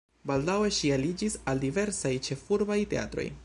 Baldaŭe ŝi aliĝis al diversaj ĉefurbaj teatroj.